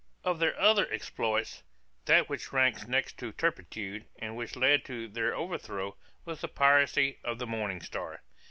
Of their other exploits, that which ranks next in turpitude, and which led to their overthrow, was the piracy of the Morning Star.